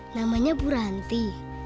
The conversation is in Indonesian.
namanya bu ranti